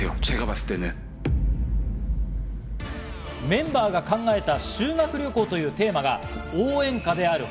メンバーが考えた修学旅行というテーマが応援歌である